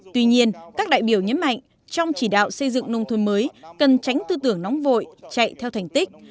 tuy nhiên các đại biểu nhấn mạnh trong chỉ đạo xây dựng nông thôn mới cần tránh tư tưởng nóng vội chạy theo thành tích